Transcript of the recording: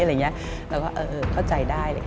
เราก็เข้าใจได้